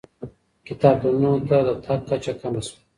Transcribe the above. کتابتونونو ته د تګ کچه کمه سوه.